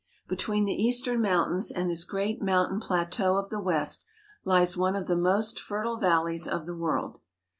Between the eastern mountains and this great mountain plateau of the West lies one of the most fertile valleys of the world.